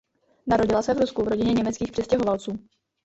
Narodila se v Rusku v rodině německých přistěhovalců.